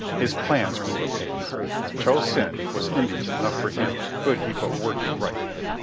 His plans grew apace. Cho Sen was Indies enough for him could he but work it right.